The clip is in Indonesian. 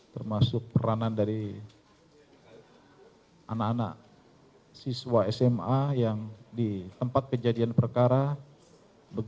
termasuk peranan dari anak anak siswa sma yang di tempat kejadian perkara